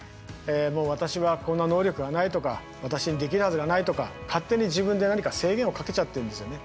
「もう私はこんな能力がない」とか「私にできるはずがない」とか勝手に自分で何か制限をかけちゃってるんですよね。